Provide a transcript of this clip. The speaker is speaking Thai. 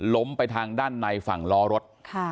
ไปทางด้านในฝั่งล้อรถ